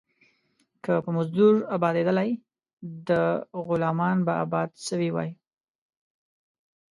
که په مزدور ابآتيدلاى ، ده غلامان به ابات سوي واى.